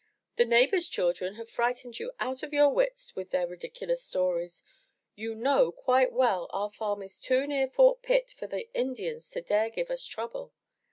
The neighbors* children have frightened you out of your wits with their ridiculous stories. You know quite well our farm is too near Fort Pitt for the Indians to dare give us trouble.